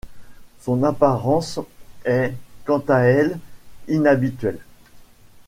Son apparence est, quant à elle, inhabituelle.